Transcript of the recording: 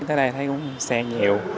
thế này thấy cũng xe nhiều